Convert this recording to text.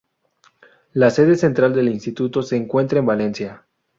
La sede central del instituto se encuentra en Valencia.